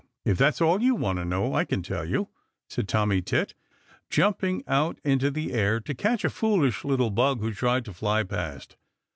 "If that's all you want to know, I can tell you," said Tommy Tit, jumping out into the air to catch a foolish little bug who tried to fly past.